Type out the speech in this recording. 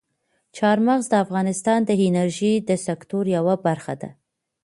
چار مغز د افغانستان د انرژۍ د سکتور یوه برخه ده.